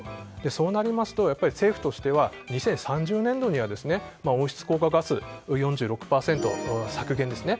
そうなると政府としては２０３０年度には温室効果ガス４６％削減ですね。